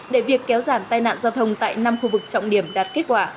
để việc kéo giảm tai nạn giao thông tại năm khu vực trọng điểm đạt kết quả